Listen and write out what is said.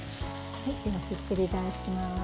では、ひっくり返します。